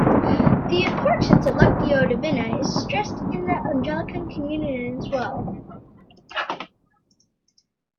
The importance of "Lectio Divina" is stressed in the Anglican Communion as well.